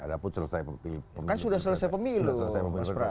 ada pun selesai pemilihan kan sudah selesai pemilihan